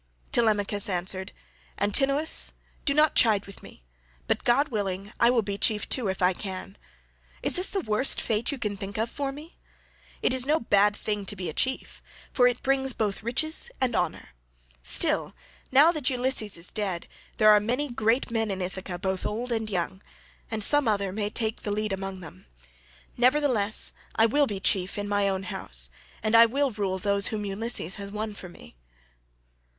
Telemachus answered, "Antinous, do not chide with me, but, god willing, I will be chief too if I can. Is this the worst fate you can think of for me? It is no bad thing to be a chief, for it brings both riches and honour. Still, now that Ulysses is dead there are many great men in Ithaca both old and young, and some other may take the lead among them; nevertheless I will be chief in my own house, and will rule those whom Ulysses has won for me."